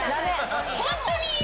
ホントにいい。